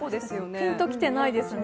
ピンと来てないですね。